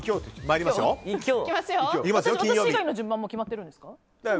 私以外の順番決まってるんですか？